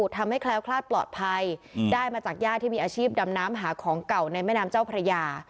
แคล้วคลาดปลอดภัยได้มาจากย่าที่มีอาชีพดำน้ำหาของเก่าในแม่น้ำเจ้าพระยา